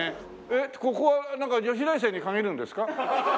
えっここはなんか女子大生に限るんですか？